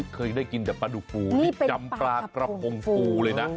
เคยได้กินเดี๋ยวป้าดูกฟูนี่เป็นจำปลากระพงฟูเลยนะ